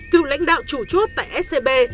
cựu lãnh đạo chủ chốt tại scb